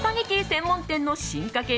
専門店の進化系